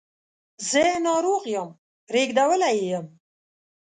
زه ناروغ یم ریږدولی یې یم